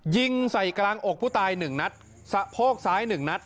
ยิงใส่กลางอกผู้ตาย๑นัดสะโพกซ้าย๑นัด